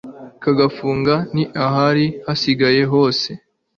kagafunga n'ahari hasigaye hose